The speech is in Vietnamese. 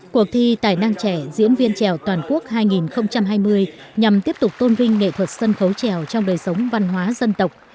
cuộc thi tài năng trẻ diễn viên trèo toàn quốc hai nghìn hai mươi nhằm tiếp tục tôn vinh nghệ thuật sân khấu trèo trong đời sống văn hóa dân tộc